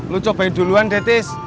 lo cobain duluan deh tis